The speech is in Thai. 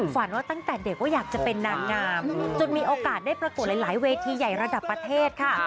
ฝันว่าตั้งแต่เด็กว่าอยากจะเป็นนางงามจนมีโอกาสได้ประกวดหลายเวทีใหญ่ระดับประเทศค่ะ